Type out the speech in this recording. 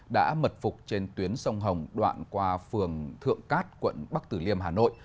đã mật phục trên tuyến sông hồng đoạn qua phường thượng cát quận bắc tử liêm hà nội